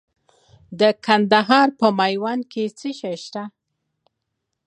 د کندهار په میوند کې څه شی شته؟